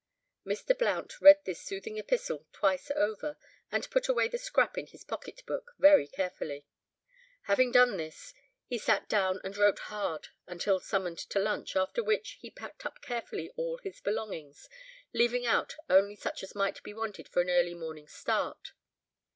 Mr. Blount read this soothing epistle twice over and put away the scrap in his pocket book very carefully. Having done this, he sat down and wrote hard until summoned to lunch, after which he packed up carefully all his belongings, leaving out only such as might be wanted for an early morning start.